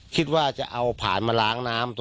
คิดว่าจะเอาผ่านมาล้างน้ำ